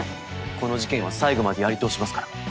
この事件は最後までやり通しますから。